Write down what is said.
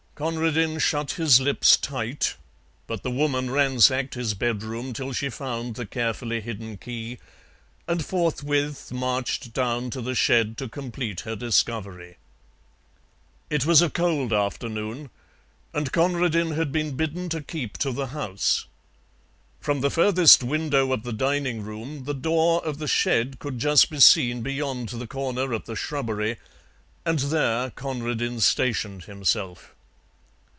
Conradin shut his lips tight, but the Woman ransacked his bedroom till she found the carefully hidden key, and forthwith marched down to the shed to complete her discovery. It was a cold afternoon, and Conradin had been bidden to keep to the house. From the furthest window of the dining room the door of the shed could just be seen beyond the corner of the shrubbery, and there Conradin stationed himself.